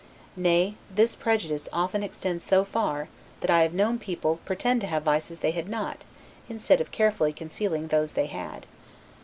Nay, this prejudice often extends so far, that I have known people pretend to vices they had not, instead of carefully concealing those they had.